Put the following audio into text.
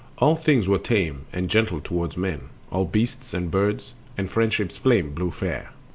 All things were tame, and gentle toward men, All beasts and birds, and friendship's flame blew fair.